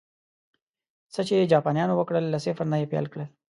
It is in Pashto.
څه چې جاپانيانو وکړل، له صفر نه یې پیل کړل